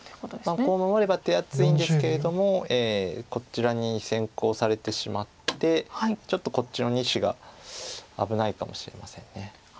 こう守れば手厚いんですけれどもこちらに先行されてしまってちょっとこっちの２子が危ないかもしれません。